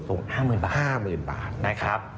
ตรง๕๐๐๐๐บาทนะครับ